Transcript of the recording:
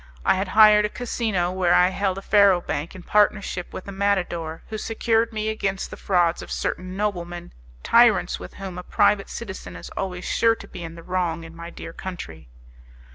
I had hired a casino where I held a faro bank in partnership with a matador, who secured me against the frauds of certain noblemen tyrants, with whom a private citizen is always sure to be in the wrong in my dear country.